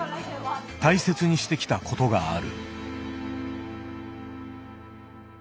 大切にしてきたことがある。